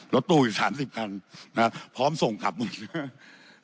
รถตู้อีก๓๐ถังพร้อมส่งขับหมด